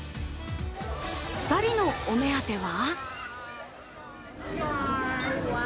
２人のお目当ては？